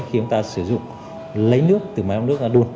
khi chúng ta sử dụng lấy nước từ máy ấm nước ra đun